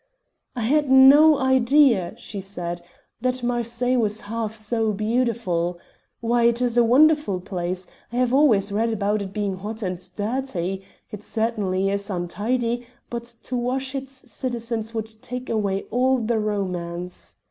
"I had no idea," she cried, "that Marseilles was half so beautiful. Why, it is a wonderful place. I have always read about it being hot and dirty. It certainly is untidy, but to wash its citizens would take away all the romance!